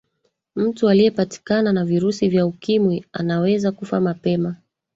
mtu aliyepatikana na virusi vya ukimwi anaweza kufa mapema